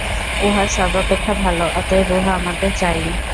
উহা সর্বাপেক্ষা ভাল, অতএব উহা আমাদের চাই-ই।